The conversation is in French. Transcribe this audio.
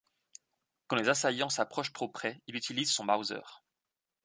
Quand les assaillants s'approchent trop près, il utilise son Mauser.